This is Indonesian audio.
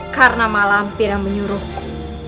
karena malah ampira menyuruhku